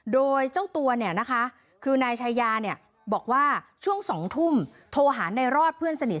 โดยเจ้าตัวคือนายชายาบอกว่าช่วง๒ทุ่มโทรหานายรอดเพื่อนสนิท